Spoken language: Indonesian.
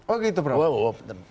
oh gitu pak